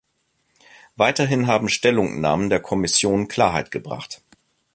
Weiterhin haben Stellungnahmen der Kommission Klarheit gebracht.